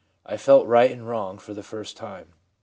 I felt right and wrong for the first time.